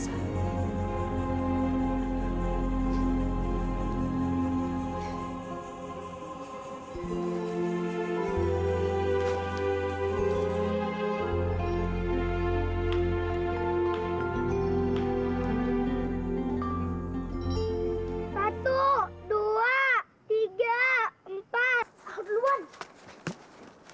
satu dua tiga empat